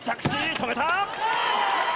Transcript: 止めた！